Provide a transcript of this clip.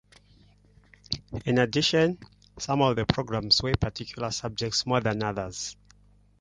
In addition, some of the programmes weigh particular subjects more than others.